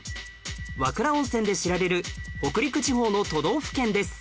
和倉温泉で知られる北陸地方の都道府県です